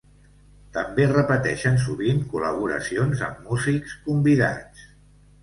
També repeteixen sovint col·laboracions amb músics convidats.